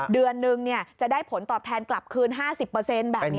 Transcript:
เดือนนึงจะได้ผลตอบแทนกลับคืน๕๐แบบนี้